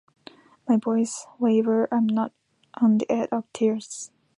My voice wavers. I'm on the edge of tears.